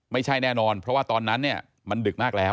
ไม่ใช่แน่นอนเพราะว่าตอนนั้นเนี่ยมันดึกมากแล้ว